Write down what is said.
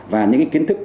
và những kiến thức